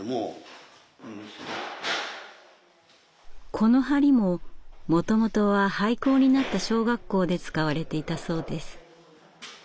この梁ももともとは廃校になった小学校で使われていたそうです。